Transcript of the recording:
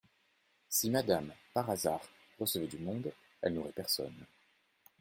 Si madame, par hasard , recevait du monde… elle n’aurait personne.